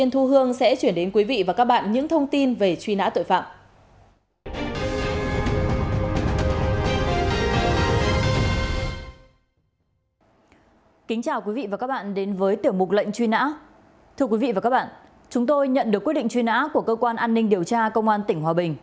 thưa quý vị và các bạn chúng tôi nhận được quy định truy nã của cơ quan an ninh điều tra công an tp hòa bình